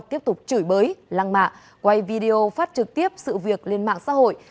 tiếp tục chửi bới lăng mạ quay video phát trực tiếp sự việc lên mạng xã hội